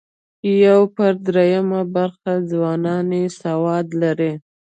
یو پر درېیمه برخه ځوانان یې سواد لري.